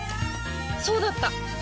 そうだった！